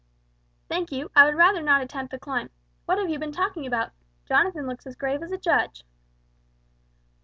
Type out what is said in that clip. "Thank you, I would rather not attempt the climb. What have you been talking about? Jonathan looks as grave as a judge."